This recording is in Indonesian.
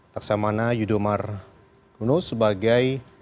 taksamana yudomar nus sebagai